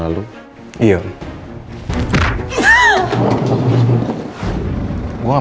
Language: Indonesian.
lama mulut gw terjebak sama orang lain